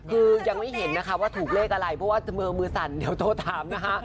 คือยังไม่เห็นนะคะว่าถูกเลขอะไรเพราะว่ามือมือสั่นเดี๋ยวโทรถามนะคะ